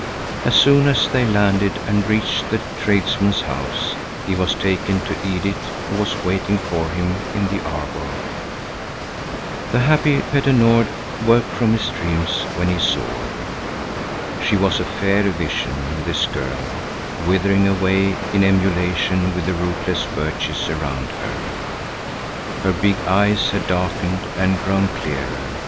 As soon as they landed and reached the tradesman's house, he was taken to Edith, who was waiting for him in the arbor. The happy Petter Nord woke from his dreams when he saw her. She was a fair vision, this girl, withering away in emulation with the rootless birches around her. Her big eyes had darkened and grown clearer.